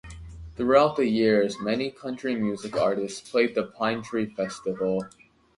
Throughout the years many country music artists played the Pine Tree Festival.